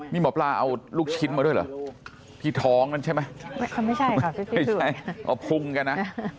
มีหมอปลาเอาลูกชิ้นมาด้วยเหรอพี่ทองใช่ไหมไม่ใช่เอาพุงกันนะ